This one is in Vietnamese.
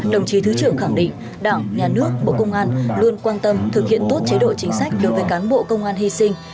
đồng chí thứ trưởng khẳng định đảng nhà nước bộ công an luôn quan tâm thực hiện tốt chế độ chính sách đối với cán bộ công an hy sinh